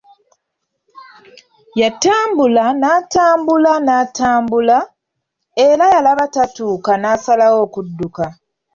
Yatambula, n’atambula, n’atambula era yalaba tatuuka n’asalawo okudduka.